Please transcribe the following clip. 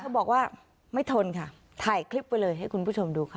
บอกว่าไม่ทนค่ะถ่ายคลิปไว้เลยให้คุณผู้ชมดูค่ะ